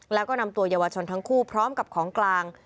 แล้วก็นำตัวเยาวชนทั้งคู่พร้อมกับของกลาง